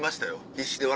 必死で笑